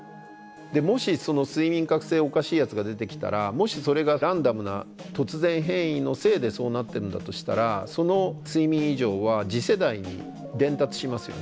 もし睡眠覚醒おかしいやつが出てきたらもしそれがランダムな突然変異のせいでそうなってるんだとしたらその睡眠異常は次世代に伝達しますよね。